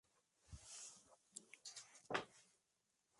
Encima su abre un ojo bastante ovalado y en derrame.